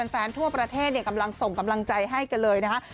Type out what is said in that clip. ทั่วประเทศกำลังส่งกำลังใจให้กันเลยนะคะ